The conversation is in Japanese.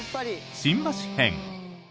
新橋編。